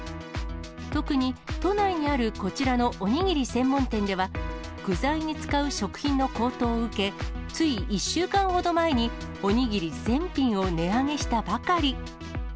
特に、都内にあるこちらのお握り専門店では、具材に使う食品の高騰を受け、つい１週間ほど前に、お握り全品を値上げしたばかり。